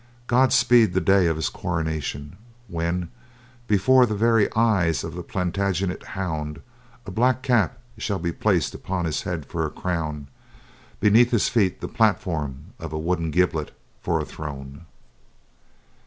God speed the day of his coronation, when, before the very eyes of the Plantagenet hound, a black cap shall be placed upon his head for a crown; beneath his feet the platform of a wooden gibbet for a throne."